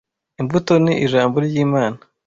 Imbuto ni Ijambo ry’Imana